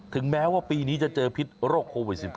ถึงแม้ว่าปีนี้จะเจอพิษโรคโควิด๑๙